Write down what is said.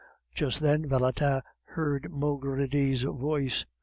'" Just then Valentin heard Maugredie's voice.